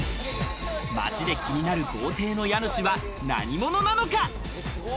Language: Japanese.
街で気になる豪邸の家主は何者なのか？